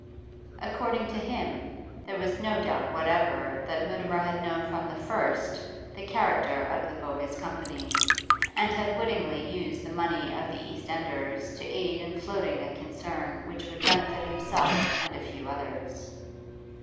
According to him, there was no doubt whatever that Mutimer had known from the first the character of the bogus Company, and had wittingly used the money of the East Enders to aid in floating a concern which would benefit himself and a few others.